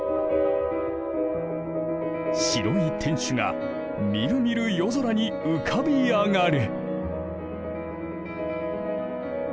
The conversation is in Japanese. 白い天守がみるみる夜空に浮かび上がる。